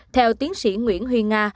theo tiến sĩ nguyễn huy nga